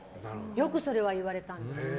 よくそれは言われたんですよ。